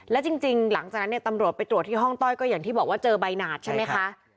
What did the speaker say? และจริงหลังจากนั้นเนี่ยตำรวจไปตรวจที่ห้องต้อยก็อย่างที่บอกว่าเจอใบหนาดใช่ไหมคะ